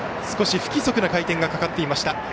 少し不規則な回転がかかっていました。